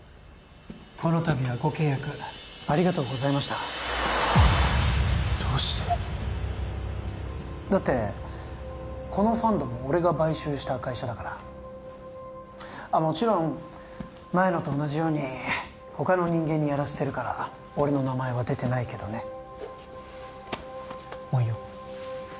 このたびはご契約ありがとうございましたどうしてだってこのファンドも俺が買収した会社だからもちろん前のと同じように他の人間にやらせてるから俺の名前は出てないけどねもういいよ・